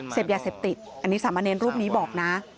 เสพยาเสพติดอันนี้สามะเนรรูปนี้บอกนะ